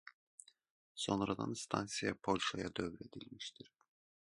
Sonradan stansiya Polşaya dövr edilmişdir.